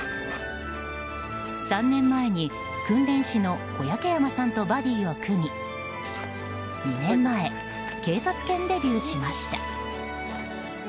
３年前に、訓練士の小焼山さんとバディーを組み２年前、警察犬デビューしました。